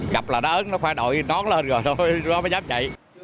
gặp là đớn nó phải đổi nóng lên rồi rồi nó mới dám chạy